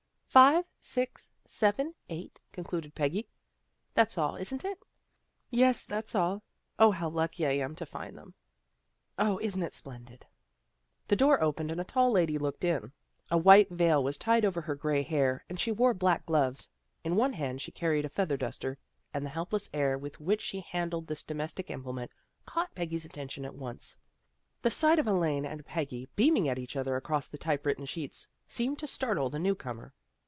" Five, six, seven, eight," concluded Peggy. " That's all, isn't it? "" Yes, that's all. 0, how lucky I am to find them." " O, isn't it splendid." The door opened and a tall lady looked in. A white veil was tied over her grey hair, and she wore black gloves. In one hand she carried a feather duster, and the helpless air with which she handled this domestic implement, caught Peggy's attention at once. The sight of Elaine and Peggy, beaming at each other across the typewritten sheets, seemed to startle the new comer.